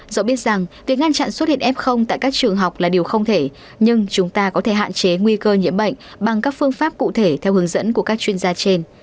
dỡ biết rằng việc ngăn chặn xuất hiện f tại các trường học là điều không thể nhưng chúng ta có thể hạn chế nguy cơ nhiễm bệnh bằng các phương pháp cụ thể theo hướng dẫn của các chuyên gia trên